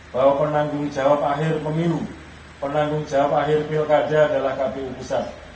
bahwa penanggung jawab akhir pemilu penanggung jawab akhir pilkada adalah kpu besar